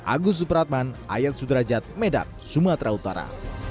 agus supratman ayat sudrajat medan sumatera utara